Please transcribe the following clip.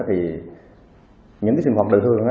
thì những cái sinh hoạt đại thương